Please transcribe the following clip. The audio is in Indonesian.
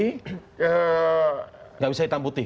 tidak bisa hitam putih